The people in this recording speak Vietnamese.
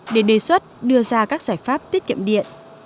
để đề xuất đưa ra các giải pháp tiết kiệm điện